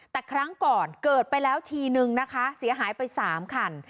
แต่ครั้งก่อนเกิดไปแล้วทีนึงนะคะเสียหายไป๓คัน